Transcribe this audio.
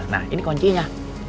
nah ini kuncinya